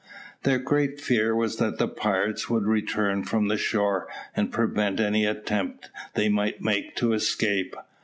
Their great fear was that the pirates would return from the shore and prevent any attempt they might make to escape.